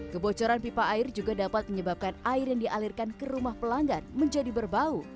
kebocoran pipa air juga dapat menyebabkan air yang dialirkan ke rumah pelanggan menjadi berbau